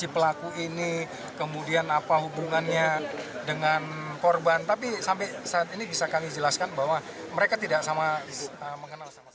polisi mencari penyanderaan di pondok indah jakarta selatan